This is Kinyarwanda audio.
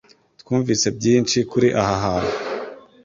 Twumvise byinshi kuri aha hantu.